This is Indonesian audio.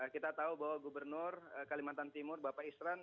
kita tahu bahwa gubernur kalimantan timur bapak isran